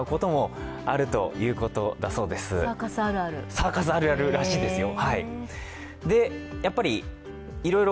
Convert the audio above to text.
サーカスあるあるらしいですよ。